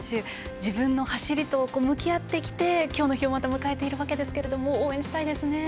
自分の走りと向き合ってきて今日の日をまた迎えているわけですが応援したいですね。